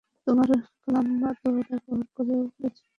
তোমার খালাম্মা তো ব্যবহারও করে ফেলছে।